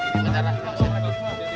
ini darah yang masih ada